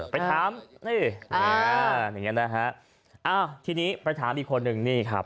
ไปถามทีนี้ไปถามอีกคนหนึ่ง